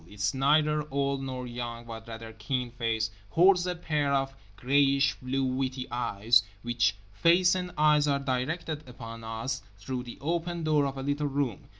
Its neither old nor young, but rather keen face hoards a pair of greyish blue witty eyes, which face and eyes are directed upon us through the open door of a little room.